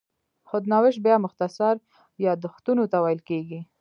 خود نوشت بیا مختصر یادښتونو ته ویل کېږي.